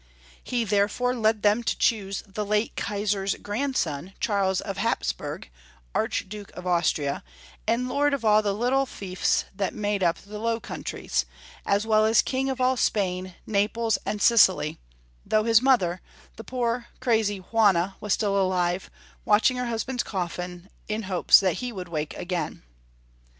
He, therefore, led them to choose the late Kalsar's grandson, Charles of Hapsburg, Archduke of Aus tria, and lord of all the little fief^ that made up the 272 Young Folks'" History of Qermany. Low Countries, as well as King of all Spain, Naples, and Sicily, though his mother, the poor, crazy Juana, was still alive, watching her husband's coffin, in hopes that he would wake again.